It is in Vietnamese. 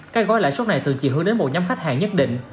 các gói lãi suất này thường chỉ hướng đến một nhóm khách hàng nhất định